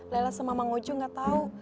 lela sama emak ngujung gak tau